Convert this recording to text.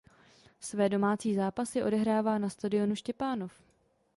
Své domácí zápasy odehrává na stadionu Štěpánov.